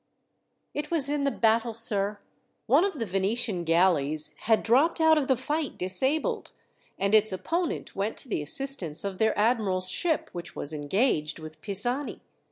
"It was in the battle, sir. One of the Venetian galleys had dropped out of the fight disabled, and its opponent went to the assistance of their admiral's ship, which was engaged with Pisani.